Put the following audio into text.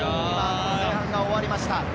前半が終わりました。